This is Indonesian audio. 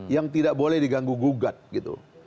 yang tidak boleh diganggu gugat gitu